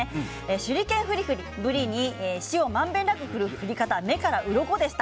手裏剣振り、ぶりに塩をまんべんなく振る振り方、目からうろこでした。